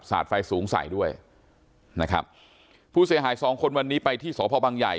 ไฟสูงใส่ด้วยนะครับผู้เสียหายสองคนวันนี้ไปที่สพบังใหญ่